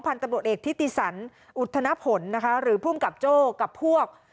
พันตะโบดเอกที่ติสันอุทธนผลนะคะหรือผู้กำกับโจ้กับพวก